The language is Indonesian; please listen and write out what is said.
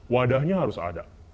wadahnya harus ada